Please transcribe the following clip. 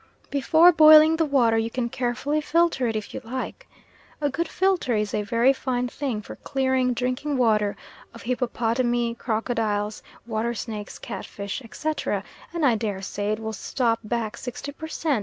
BEFORE boiling the water you can carefully filter it if you like. A good filter is a very fine thing for clearing drinking water of hippopotami, crocodiles, water snakes, catfish, etc., and I daresay it will stop back sixty per cent.